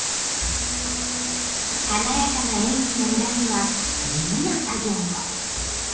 華やかな演技の裏には地味な作業も。